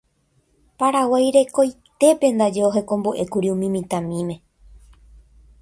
Paraguái rekoitépe ndaje ohekombo'ékuri umi mitãmíme.